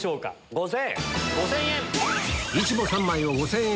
５０００円。